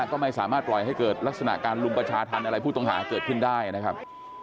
ก็ไม่สามารถปล่อยให้เกิดลักษณะการลุมประชาธรรมอะไรผู้ต้องหาเกิดขึ้นได้นะครับ